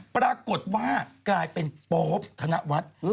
ปรากฏว่ากลายเป็นโป๊ปธนวัฒน์